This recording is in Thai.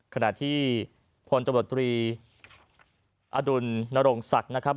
ขณะที่พลตำรวจตรีอดุลนรงศักดิ์นะครับ